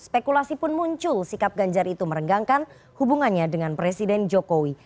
spekulasi pun muncul sikap ganjar itu merenggangkan hubungannya dengan presiden jokowi